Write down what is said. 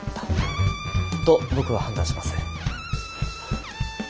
と僕は判断します。